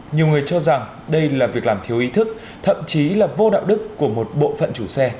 nhiều người cho rằng đây là việc làm thiếu ý thức thậm chí là vô đạo đức của một bộ phận chủ xe